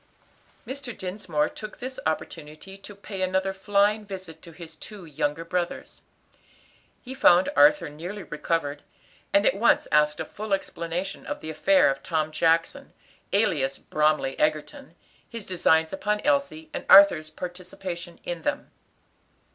Mr. Dinsmore took this opportunity to pay another flying visit to his two young brothers. He found Arthur nearly recovered, and at once asked a full explanation of the affair of Tom Jackson, alias Bromly Egerton; his designs upon Elsie, and Arthur's participation in them.